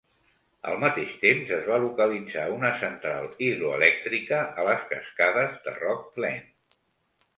Al mateix temps, es va localitzar una central hidroelèctrica a les cascades de Rock Glen.